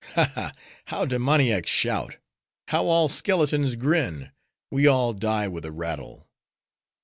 Ha! ha! how demoniacs shout; how all skeletons grin; we all die with a rattle.